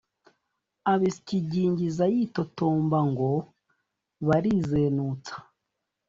abisyigingiza yitotomba ngo barizenutsa